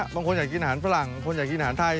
บางคนอยากกินอาหารฝรั่งคนอยากกินอาหารไทย